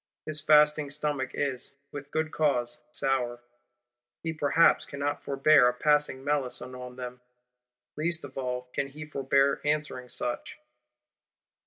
His fasting stomach is, with good cause, sour; he perhaps cannot forbear a passing malison on them; least of all can he forbear answering such.